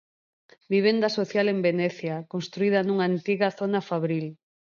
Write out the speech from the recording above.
Vivenda social en Venecia, construída nunha antiga zona fabril.